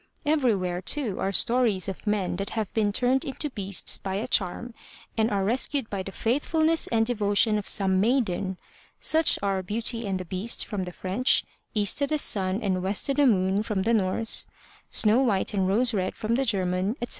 Everywhere, too, are stories of men that have been turned into beasts by a charm and are rescued by the faithfulness and devotion of some maiden. Such are Beauty and the Beast from the French, East O* the Sun and West O' the Moon from the Norse, Snow white and Rose Red from the German, etc.